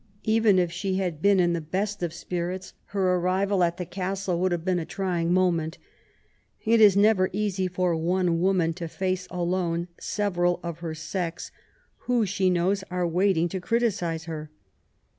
Even if she had been in the best of spirits, her arrival at the castle would have been a trying moment. It is never easy for one woman to face alone several of her sex, who, she knows, are waiting to criticise her.